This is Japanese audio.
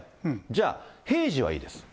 じゃあ、平時はいいです。